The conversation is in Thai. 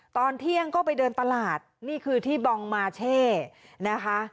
ตอนเที่ยงก็ไปเดินตลาดนี่คือที่บองมาเช่นะคะ